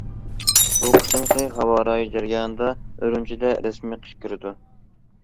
بۇ قېتىمقى ھاۋا رايى جەريانىدا، ئۈرۈمچىدە رەسمىي قىش كىرىدۇ.